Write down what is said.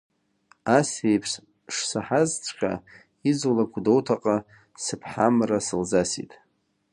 Асеиԥш шсаҳазҵәҟьа, изулак Гәдоуҭаҟа, сыԥҳа Амра сылзасит.